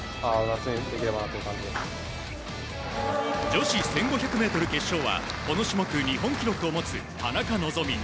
女子１５００ｍ決勝はこの種目、日本記録を持つ田中希実。